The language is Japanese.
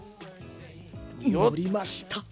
のりました。